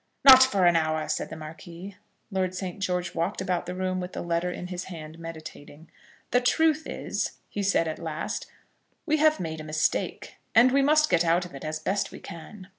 "Not for an hour," said the Marquis. Lord St. George walked about the room with the letter in his hand, meditating. "The truth is," he said, at last, "we have made a mistake, and we must get out of it as best we can.